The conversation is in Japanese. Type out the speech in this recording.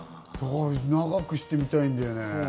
長くしてみたいんだよね。